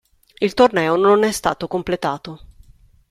Il torneo non è stato completato.